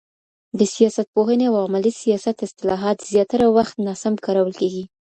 د سیاستپوهني او عملي سیاست اصطلاحات زياتره وخت ناسم کارول کيږي.